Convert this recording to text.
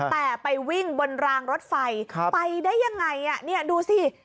แต่ไปวิ่งบนรางรถไฟไปได้ยังไงเนี่ยดูสิ